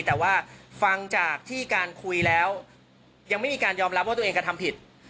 แต่ว่าฟังจากที่การคุยแล้วยังไม่มีการยอมรับว่าตัวเองกระทำผิด